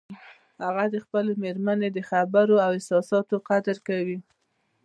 هغه د خپلې مېرمنې د خبرو او احساساتو قدر کوي